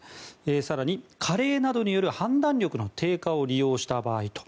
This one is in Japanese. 更に、加齢などによる判断力の低下を利用した場合と。